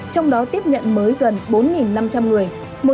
trong đó tiếp nhận mới gần bốn năm trăm linh người